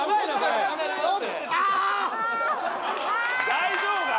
大丈夫か？